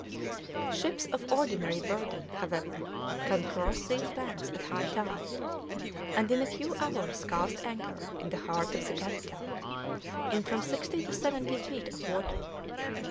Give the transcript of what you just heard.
Ships of ordinary burden, however, can cross these banks at high tide, and in a few hours cast anchor in the heart of the capital, in from sixty to seventy feet of water.